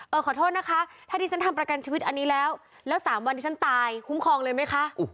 ขอโทษนะคะถ้าดิฉันทำประกันชีวิตอันนี้แล้วแล้ว๓วันที่ฉันตายคุ้มครองเลยไหมคะ